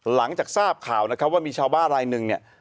หลังจากทราบข่าวนะครับว่ามีชาวบ้านรายหนึ่งเนี่ย